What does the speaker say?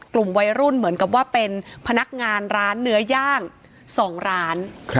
กลุ่มวัยรุ่นเหมือนกับว่าเป็นพนักงานร้านเนื้อย่าง๒ร้าน